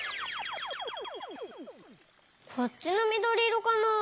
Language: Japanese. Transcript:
こっちのみどりいろかな？